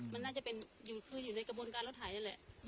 มันน่าจะคืออยู่ในกระบวนการรถไถอันนั้นแหละ